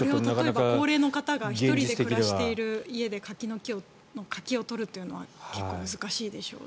あれを高齢の方が１人で暮らしている家で柿を取るっていうのは結構難しいでしょうね。